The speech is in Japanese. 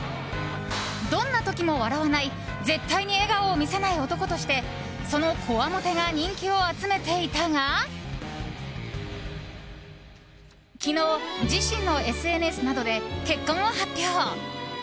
どんな時も笑わない絶対に笑顔を見せない男としてそのこわもてが人気を集めていたが昨日、自身のＳＮＳなどで結婚を発表。